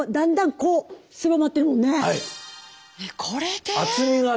これで？